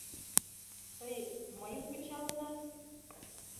— Тый мыйым кычалынат?